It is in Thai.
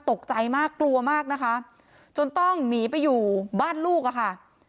ตกใจมากกลัวมากนะคะจนต้องหนีไปอยู่บ้านลูกอะค่ะ